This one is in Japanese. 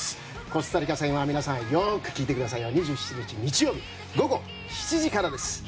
コスタリカ戦は皆さんよく聞いてくださいよ２７日の午後７時からです。